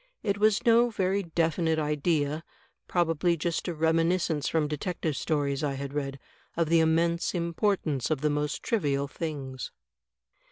It was no very definite idea, probably just a reminiscence from detective stories I had read, of the immense importance of the most trivial things."